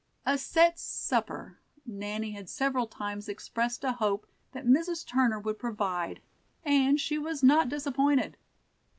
"A set supper," Nanny had several times expressed a hope that Mrs. Turner would provide, and she was not disappointed.